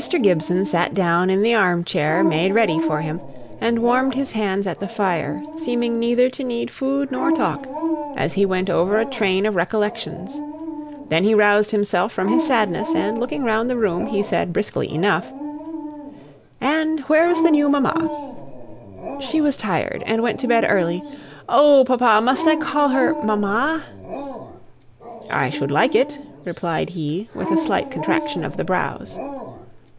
Gibson sate down in the arm chair made ready for him, and warmed his hands at the fire, seeming neither to need food nor talk, as he went over a train of recollections. Then he roused himself from his sadness, and looking round the room, he said briskly enough, "And where's the new mamma?" "She was tired, and went to bed early. Oh, papa! must I call her 'mamma?'" "I should like it," replied he, with a slight contraction of the brows.